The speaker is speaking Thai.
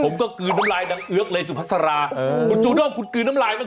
โปรดติดตามตอนต่อไป